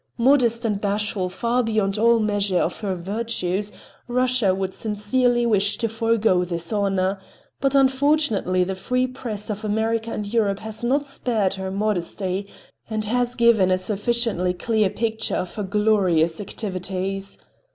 Modest and bashful far beyond all measure of her virtues, Russia would sincerely wish to forego this honor, but unfortunately the free press of America and Europe has not spared her modesty, and has given a sufficiently clear picture of her glorious activities.